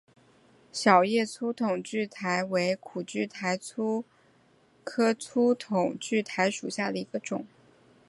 小叶粗筒苣苔为苦苣苔科粗筒苣苔属下的一个种。